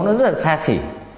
nó rất là xa xỉ